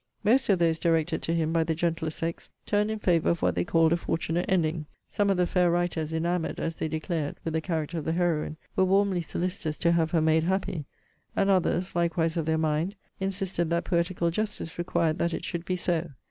Most of those directed to him by the gentler sex, turned in favour of what they called a fortunate ending. Some of the fair writers, enamoured, as they declared, with the character of the heroine, were warmly solicitous to have her made happy; and others, likewise of their mind, insisted that poetical justice required that it should be so.